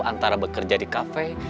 antara bekerja di kafe